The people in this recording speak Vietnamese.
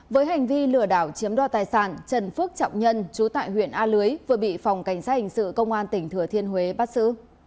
với hành vi lừa đảo chiếm đo tài sản trần phước trọng nhân chú tại huyện a lưới vừa bị phòng cảnh sát hình sự công an tỉnh thừa thiên huế bắt xử